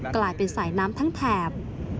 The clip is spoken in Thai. กลายเป็นสายน้ำทั้งแถบ